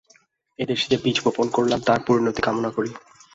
এদেশে যে বীজ বপন করলাম, তার পরিণতি কামনা করি।